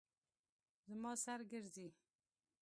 زما سر ګرځي